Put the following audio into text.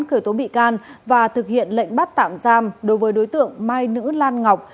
khởi tố bị can và thực hiện lệnh bắt tạm giam đối với đối tượng mai nữ lan ngọc